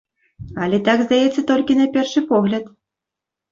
Але так здаецца толькі на першы погляд.